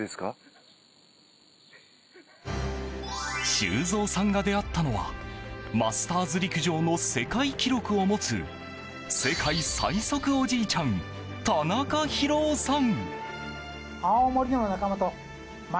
修造さんが出会ったのはマスターズ陸上の世界記録を持つ世界最速おじいちゃん田中博男さん。